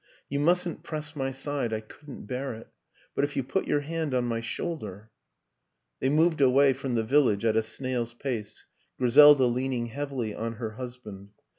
" You mustn't press my side I can't bear it. But if you put your hand on my shoulder " They moved away from the village at a snail's pace, Griselda leaning heavily on her husband.